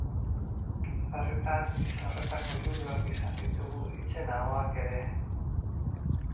Sarritan, gisa horretako juduak izan ditugu hitzen ahoak ere.